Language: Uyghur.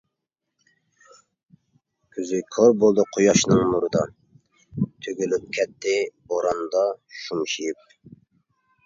كۆزى كور بولدى قۇياشنىڭ نۇرىدا، تۈگۈلۈپ كەتتى بوراندا شۈمشىيىپ.